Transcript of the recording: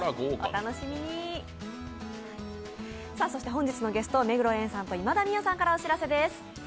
本日のゲスト、目黒蓮さんと今田美桜さんからお知らせです。